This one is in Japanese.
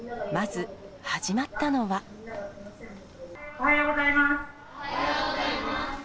おはようございます。